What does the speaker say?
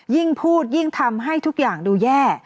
ยิ่งพูดยิ่งทำให้ทุกอย่างดูแย่